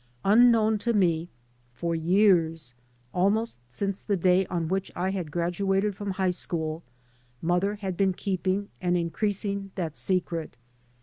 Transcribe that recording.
Unknown to me, for years, almost since the day on which I had graduated from high school, mother had been keeping and increasing that secret.